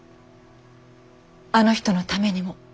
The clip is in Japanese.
あの人のためにも。